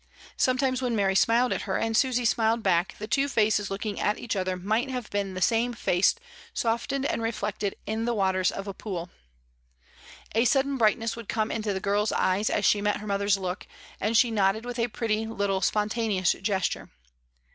Sometimes, when Mary smiled at her and Susy smiled back, the two faces looking at each other might have been the same face softened and reflected in the waters of a pooL A sudden brightness would come into the girl's eyes as she met her mother's look, and she nodded with a pretty little spontaneous gesture.